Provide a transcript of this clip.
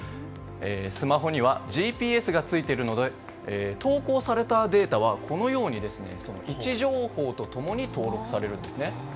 スマホにはＧＰＳがついているので投稿されたデータは位置情報と共に登録されるんですね。